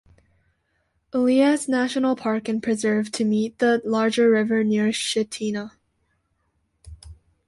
Elias National Park and Preserve to meet the larger river near Chitina.